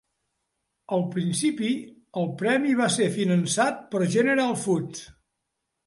Al principi, el premi va ser finançat per General Foods.